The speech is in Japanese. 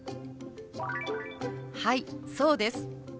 「はいそうです」。